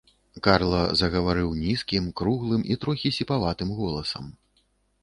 Карла загаварыў нізкім, круглым і трохі сіпаватым голасам.